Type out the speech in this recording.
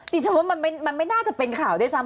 ดิฉันว่ามันไม่น่าจะเป็นข่าวด้วยซ้ำ